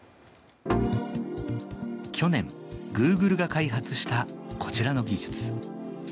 去年、グーグルが開発したこちらの技術。